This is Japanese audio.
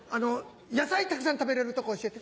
野菜たくさん食べれるとこ教えて。